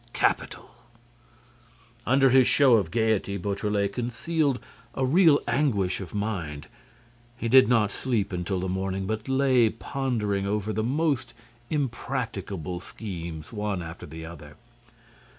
"Capital." Under his show of gaiety, Beautrelet concealed a real anguish of mind. He did not sleep until the morning, but lay pondering over the most impracticable schemes, one after the other.